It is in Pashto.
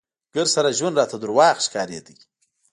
ګرد سره ژوند راته دروغ ښکارېده.